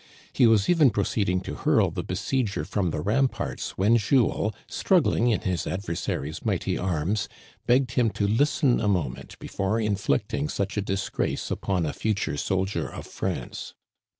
He was even proceeding to hurl the besieger from the ramparts when Jules, struggling in his adversary's mighty arms, begged him to listen a Digitized by VjOOQIC Il6 THE CANADIANS OF OLD, moment before înflicting such a disgrace upon a future soldier of France.